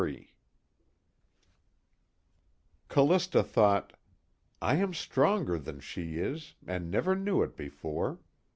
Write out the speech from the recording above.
_ III Callista thought: _I am stronger than she is, and never knew it before.